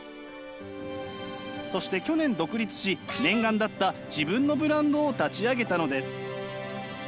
そして去年独立し念願だった自分のブランドを立ち上げたのです。